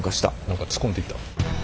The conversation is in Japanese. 何か突っ込んでいった。